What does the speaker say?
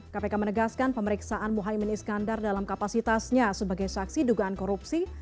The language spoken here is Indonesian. kpk menegaskan pemeriksaan muhaymin iskandar dalam kapasitasnya sebagai saksi dugaan korupsi